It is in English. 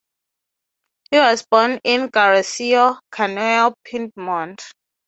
He was born in Garessio, Cuneo, Piedmont.